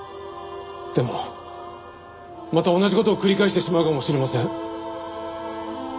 でもまた同じ事を繰り返してしまうかもしれません。